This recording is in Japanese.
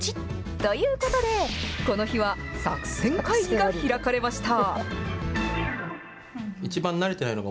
ということで、この日は作戦会議が開かれました。